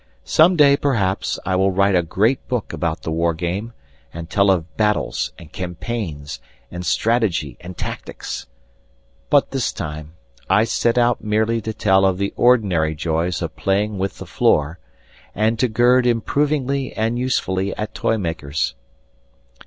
Some day, perhaps, I will write a great book about the war game and tell of battles and campaigns and strategy and tactics. But this time I set out merely to tell of the ordinary joys of playing with the floor, and to gird improvingly and usefully at toymakers.